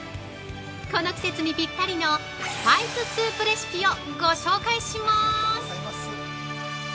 この季節にぴったりのスパイススープレシピをご紹介します！